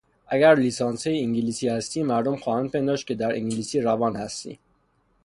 اگر لیسانسیهی انگلیسی هستی مردم خواهند پنداشت که در انگلیسی روان هستی.